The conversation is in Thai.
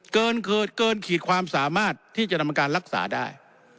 เกินขีดความสามารถที่จะนำการรักษาได้